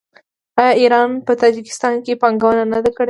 آیا ایران په تاجکستان کې پانګونه نه ده کړې؟